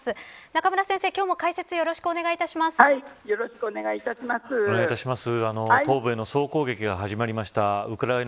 中村先生、今日も解説よろしくお願いいたします。